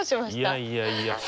いやいやいや。